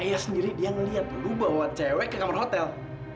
ayah sendiri dia melihat lu bawa cewek ke kamar hotel